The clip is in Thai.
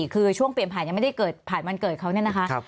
คือช่วงเปลี่ยนผ่านยังไม่ได้เกิดผ่านวันเกิดเขาเนี่ยนะคะ